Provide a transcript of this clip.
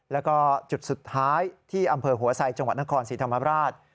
แล้วก็จุดสุดท้ายที่อำเภอหัวไซจังหวัดนครศรีธรรมราช